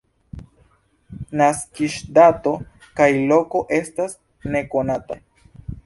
Naskiĝdato kaj -loko estas nekonataj.